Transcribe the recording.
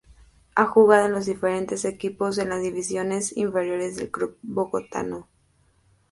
Ha jugado en los diferentes equipos de las divisiones inferiores del club bogotano.